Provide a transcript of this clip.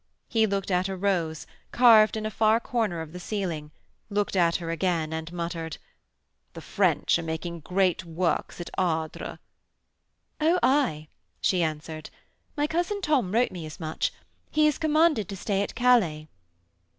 He looked at a rose, carved in a far corner of the ceiling, looked at her again, and muttered: 'The French are making great works at Ardres.' 'Oh, aye,' she answered, 'my cousin Tom wrote me as much. He is commanded to stay at Calais.'